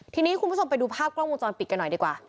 ทีนี้คุณผู้ชมไปดูภาพกล้องวงจรปิดกันหน่อยดีกว่า